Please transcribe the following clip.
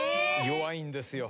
弱いんですよ。